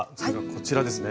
こちらですね。